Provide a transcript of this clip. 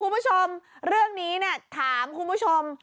คุณผู้ชมเรื่องนี้เนี่ยถามคุณผู้ชม